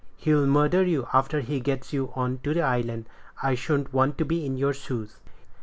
He'll murder you after he gets you on to the island. I shouldn't want to be in your shoes."